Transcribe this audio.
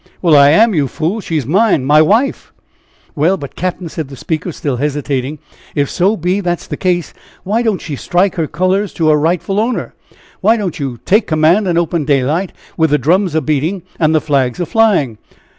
"Well! I am, you fool. She is mine my wife." "Well, but, cap'n," said the speaker, still hesitating, "if so be that's the case, why don't she strike her colors to her rightful owner? Why don't you take command in open daylight, with the drums a beating, and the flags a flying?